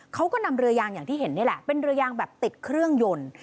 เขาก็นำเรือยางอย่างที่เห็นนี่แหละเป็นเรือยางแบบติดเครื่องยนต์